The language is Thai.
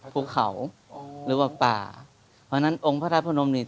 ภูเขาหรือว่าป่าเพราะฉะนั้นองค์พระธาตุพนมนี่